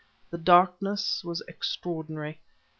The darkness was extraordinary.